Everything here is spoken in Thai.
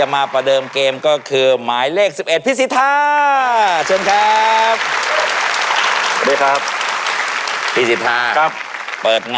ไหมเลขแรกนอกก็คือหมายเลขหมายเลขแดดของ